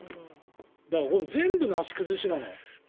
だから、全部なし崩しなんだよ。